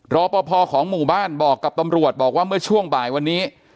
รอปภของหมู่บ้านบอกกับตำรวจบอกว่าเมื่อช่วงบ่ายวันนี้